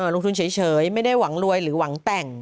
ลงทุนเฉยไม่ได้หวังรวยหรือหวังแต่ง